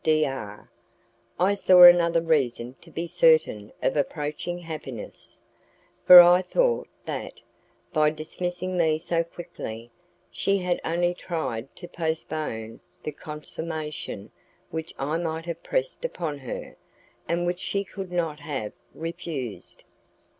D R , I saw another reason to be certain of approaching happiness, for I thought that, by dismissing me so quickly, she had only tried to postpone the consummation which I might have pressed upon her, and which she could not have refused.